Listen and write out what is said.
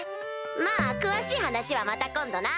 まぁ詳しい話はまた今度な。